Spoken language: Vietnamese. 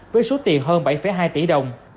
với số tiền hơn bảy hai tỷ đồng